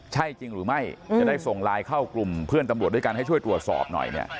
ใช่จริงหรือไม่จะได้ส่งไลน์เข้ากลุ่มเพื่อนตำรวจด้วยกันให้ช่วยตรวจสอบหน่อยเนี่ย